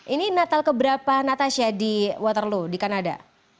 ini natal keberapa natasha di waterloo di kanada